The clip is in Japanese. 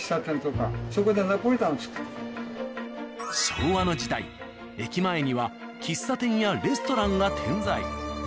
昭和の時代駅前には喫茶店やレストランが点在。